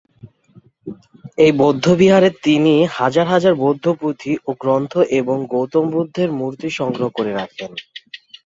এই বৌদ্ধবিহারে তিনি হাজার হাজার বৌদ্ধ পুঁথি ও গ্রন্থ এবং গৌতম বুদ্ধের মূর্তি সংগ্রহ করে রাখেন।